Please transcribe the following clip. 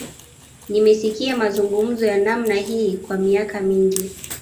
Nimesikia mazungumzo ya namna hii kwa miaka mingi